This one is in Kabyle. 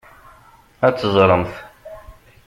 Ad teẓremt.